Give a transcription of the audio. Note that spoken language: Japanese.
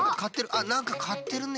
あなんかかってるね。